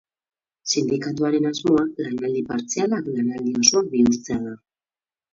Sindikatuaren asmoa lanaldi partzialak lanaldi osoak bihurtzea da.